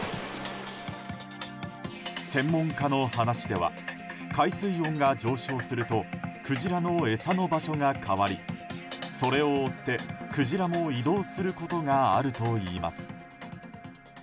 専門家の話では海水温が上昇するとクジラの餌の場所が変わりそれを追ってクジラも移動することがあるといいます。